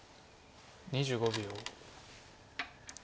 ２５秒。